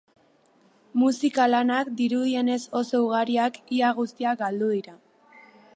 Musika-lanak, dirudienez oso ugariak, ia guztiak galdu dira.